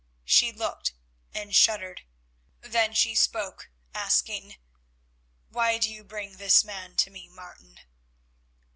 She looked and shuddered. Then she spoke, asking: "Why do you bring this man to me, Martin?"